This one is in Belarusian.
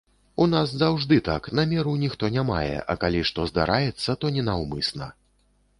У нас заўжды так, намеру ніхто не мае, а калі што здараецца, то ненаўмысна.